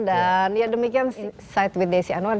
dan ya demikian side with desi anwar